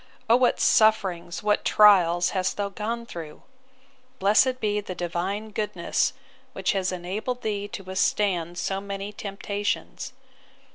O what sufferings, what trials, hast thou gone through! Blessed be the Divine goodness, which has enabled thee to withstand so many temptations!